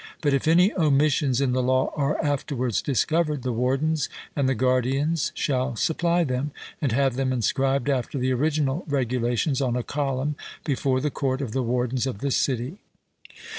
But if any omissions in the law are afterwards discovered, the wardens and the guardians shall supply them, and have them inscribed after the original regulations on a column before the court of the wardens of the city.